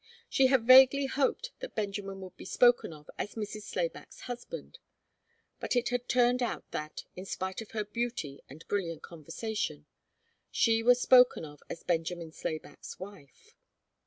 She had vaguely hoped that Benjamin would be spoken of as Mrs. Slayback's husband, but it had turned out that, in spite of her beauty and brilliant conversation, she was spoken of as Benjamin Slayback's wife.